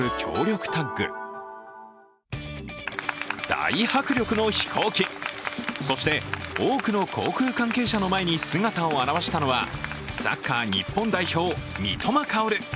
大迫力の飛行機、そして、多くの航空関係者の前に姿を現したのはサッカー日本代表・三笘薫。